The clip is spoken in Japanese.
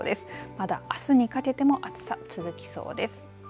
まだあすにかけても暑さ続きそうです。